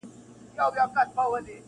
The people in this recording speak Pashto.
سمت او رنګ ژبه نژاد یې ازلي راکړي نه دي-